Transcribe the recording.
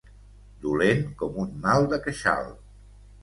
Dolent com un mal de queixal.